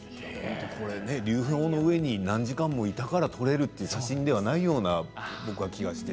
流氷の上に、何時間もいたから撮れるというような写真ではないような気がして。